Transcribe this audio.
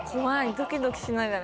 ドキドキしながら。